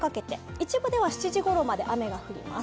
一部では７時ごろまで雨が降ります